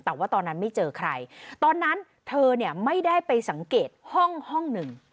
แต่ว่าตอนนั้นไม่เจอใครตอนนั้นเธอเนี่ยไม่ได้ไปสังเกตห้องห้องหนึ่ง